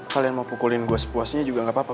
kalian mau pukulin gue sepuasnya juga gak apa apa